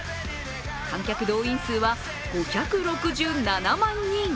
観客動員数は５６７万人。